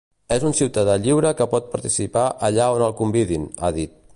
És un ciutadà lliure que pot participar allà on el convidin, ha dit.